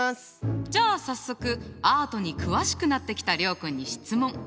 じゃあ早速アートに詳しくなってきた諒君に質問！